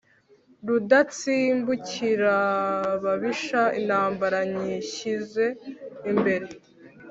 Rudatsimbukirababisha intambara nyishyize imbere